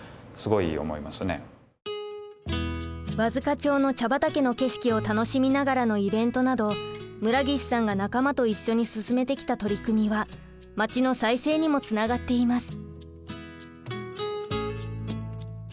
和束町の茶畑の景色を楽しみながらのイベントなど村岸さんが仲間と一緒に進めてきた取り組みはまちの再生にもつながっています。